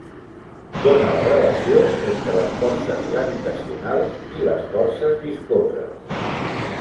Dóna la relació entre les forces gravitacionals i les forces viscoses.